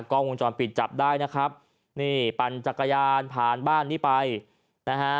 กล้องวงจรปิดจับได้นะครับนี่ปั่นจักรยานผ่านบ้านนี้ไปนะฮะ